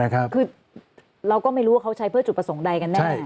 คือเราก็ไม่รู้ว่าเขาใช้เพื่อจุดประสงค์ใดกันแน่